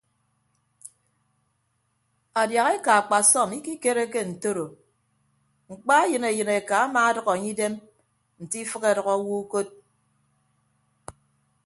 Adiahaeka akpasọm ikikereke ntoro mkpa eyịn eyịneka amaadʌk enye idem nte ifịk adʌk awo ukod.